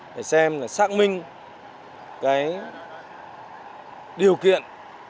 để xem xác minh điều kiện